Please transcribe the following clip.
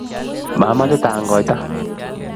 Mamoche tangoita.